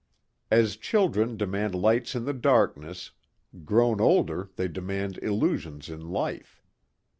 As children demand lights in the darkness, grown older they demand illusions in life.